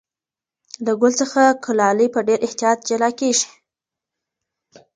له ګل څخه کلالې په ډېر احتیاط جلا کېږي.